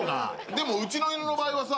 でもうちのイヌの場合はさ。